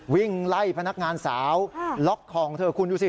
วิ่งไล่พนักงานสาวล็อกของเธอคุณดูสิ